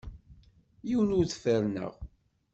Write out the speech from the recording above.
Yiwen ur t-ferrneɣ.